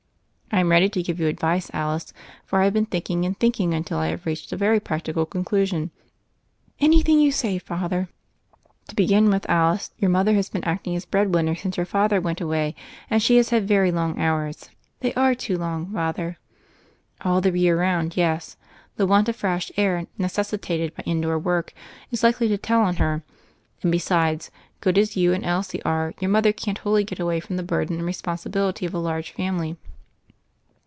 "I'm ready to give you advice, Alice, for I have been thinking and thinking until I have reached a very practical conclusion." "Anything you say, Father." "To begin with, Alice, your mother has been acting as bread winner since your father went awav. and she has had very long hours." THE FAIRY OF THE SNOWS 195 "They are too long, Father." "All the year round, yes. The want of fresh air necessitated by indoor work is likely to tell on her; and besides, good as you and Elsie are, your mother can't wholly get away from the burden and responsibility of a large family."